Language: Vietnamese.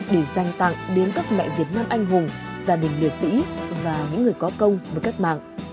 để dành tặng đến các mẹ việt nam anh hùng gia đình liệt sĩ và những người có công với cách mạng